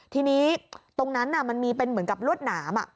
ทีนี้ตรงนั้นมันมีเป็นเหมือนกับลวดหนาม